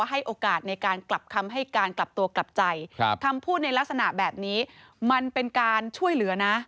ให้การกลับตัวกลับใจคำพูดในลักษณะแบบนี้มันเป็นการช่วยเหลือนะ